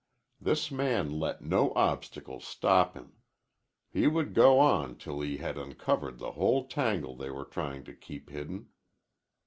This man let no obstacles stop him. He would go on till he had uncovered the whole tangle they were trying to keep hidden.